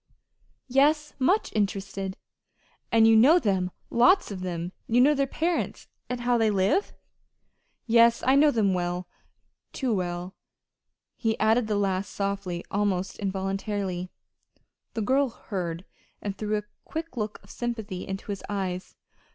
"Yes, much interested." "And you know them lots of them? You know their parents, and how they live?" "Yes, I know them well too well." He added the last softly, almost involuntarily. The girl heard, and threw a quick look of sympathy into his eyes.